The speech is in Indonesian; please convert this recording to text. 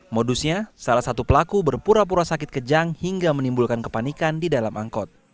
modusnya salah satu pelaku berpura pura sakit kejang hingga menimbulkan kepanikan di dalam angkot